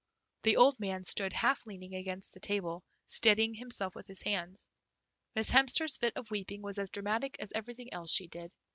The old man stood half leaning against the table, steadying himself with his hands. Miss Hemster's fit of weeping was as dramatic as everything else she did.